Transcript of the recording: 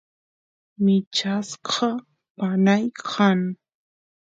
michasqa panay kan